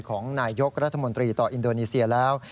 ของนายยกรัฐมนตรีต่ออินโดนีเซียแล้ว